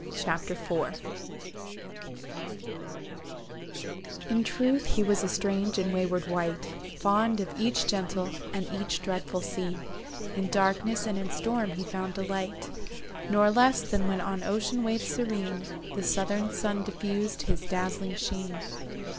CHAPTER IV In truth he was a strange and wayward wight, Fond of each gentle, and each dreadful scene, In darkness, and in storm he found delight; Nor less than when on ocean wave serene The southern sun diffus'd his dazzling sheen.